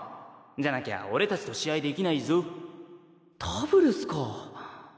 じゃなきゃ俺達と試合できないぞダブルスか！